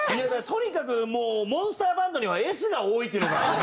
とにかくもうモンスターバンドには「Ｓ」が多いっていうのが。